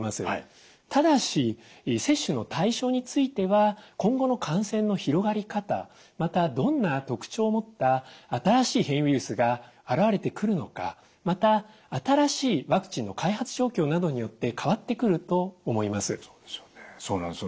ただし接種の対象については今後の感染の広がり方またどんな特徴を持った新しい変異ウイルスが現れてくるのかまた新しいワクチンの開発状況などによって変わってくると思います。